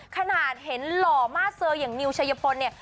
ขนาดเห็นหล่อมาเซอร์อย่างนิวชัยพลเนี่ย